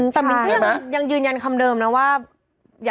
จริงแต่มิ้นที่ยังยืนยันคำเดิมนะว่า